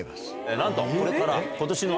なんとこれから今年の。